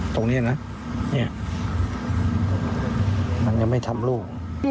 ตรงนี้นะเนี่ยมันยังไม่ทำลูก